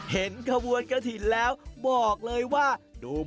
เห็นขบวนกะทินแล้วบอกเลยว่าที่นี่มันอยู่ที่ไหน